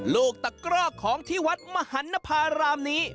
ลูกตะกรอกของที่วัดมหันนภารามนี้